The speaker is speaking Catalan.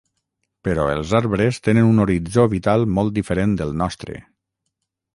Però els arbres tenen un horitzó vital molt diferent del nostre.